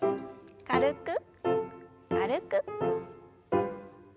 軽く軽く。